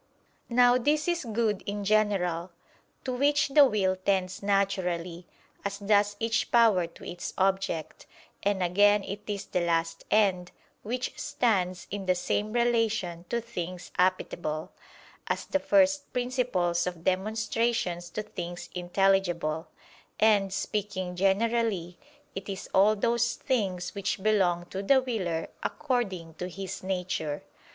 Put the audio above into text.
Now this is good in general, to which the will tends naturally, as does each power to its object; and again it is the last end, which stands in the same relation to things appetible, as the first principles of demonstrations to things intelligible: and, speaking generally, it is all those things which belong to the willer according to his nature.